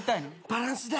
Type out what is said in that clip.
バランスだ。